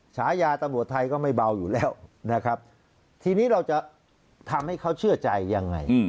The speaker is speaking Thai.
ฉายาตำรวจไทยก็ไม่เบาอยู่แล้วนะครับทีนี้เราจะทำให้เขาเชื่อใจยังไง